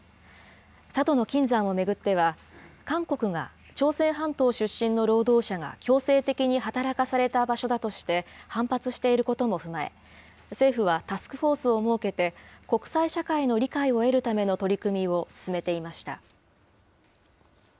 佐渡島の金山を巡っては、韓国が朝鮮半島出身の労働者が強制的に働かされた場所だとして、反発していることも踏まえ、政府はタスクフォースを設けて、国際社会の理解を得るための取り組みを進めていました。